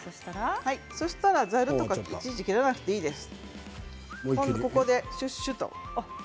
そうしたら、ざるとかでいちいち切らなくていいです。